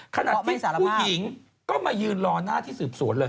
ขณะที่ผู้หญิงก็มายืนรอหน้าที่สืบสวนเลย